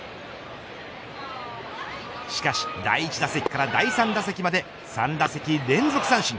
しかし第１打席から第３打席まで３打席連続三振。